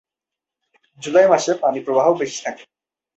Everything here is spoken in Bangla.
জুলাই মাসে পানি প্রবাহ বেশি থাকে।